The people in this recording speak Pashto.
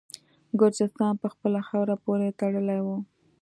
ګرجستان په خپله خاوره پوري تړلی وو.